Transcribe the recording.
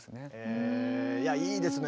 へえいやいいですね。